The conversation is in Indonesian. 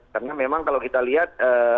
karena memang kalau kita lihat